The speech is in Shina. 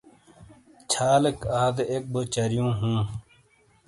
چھالیک آدے ایک بوچاریوں ہوں۔